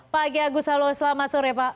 pak gi agus halo selamat sore pak